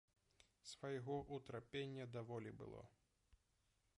Свайго ўтрапення даволі было.